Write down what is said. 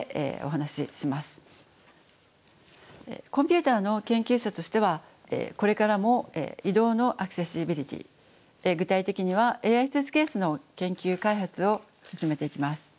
コンピューターの研究者としてはこれからも移動のアクセシビリティー具体的にはＡＩスーツケースの研究開発を進めていきます。